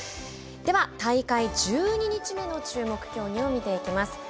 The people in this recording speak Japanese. では大会１２日目の注目競技を見ていきます。